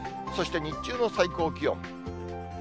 そして、日中の最高気温。